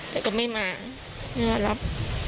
แต่ก็ไม่มาไม่มารับ